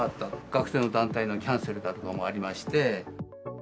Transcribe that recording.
学生の団体のキャンセルだとかもありまして。